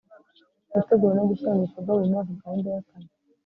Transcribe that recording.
gutegura no gushyira mu bikorwa buri mwaka gahunda y'akazi